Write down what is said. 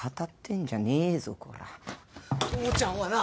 父ちゃんはな